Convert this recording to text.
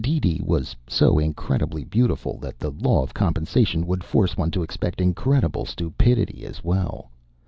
DeeDee was so incredibly beautiful that the law of compensation would force one to expect incredible stupidity as well.